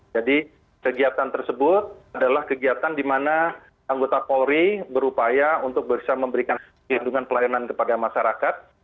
jadi kegiatan tersebut adalah kegiatan dimana anggota polri berupaya untuk bisa memberikan hendungan pelayanan kepada masyarakat